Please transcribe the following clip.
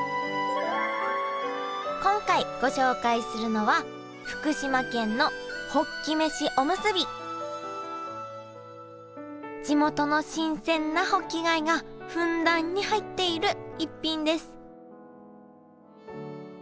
今回ご紹介するのは地元の新鮮なホッキ貝がふんだんに入っている逸品です